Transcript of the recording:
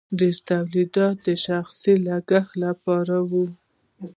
ډیر تولیدات د شخصي لګښت لپاره وو.